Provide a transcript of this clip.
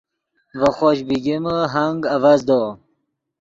ڤے خوش بیگمے ہنگ اڤزدو